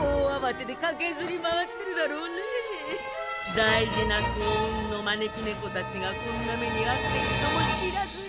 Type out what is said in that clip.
大事な幸運の招き猫たちがこんな目にあっているとも知らずに。